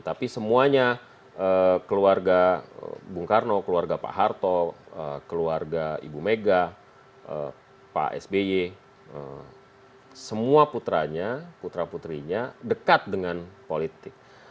tapi semuanya keluarga bung karno keluarga pak harto keluarga ibu mega pak sby semua putranya putra putrinya dekat dengan politik